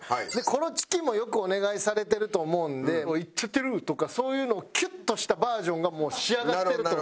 コロチキもよくお願いされてると思うんで「イッちゃってる」とかそういうのをキュッとしたバージョンがもう仕上がってると思う。